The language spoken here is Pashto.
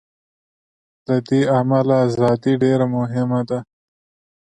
له دې امله ازادي ډېره مهمه ده.